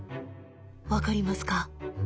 分かりますか？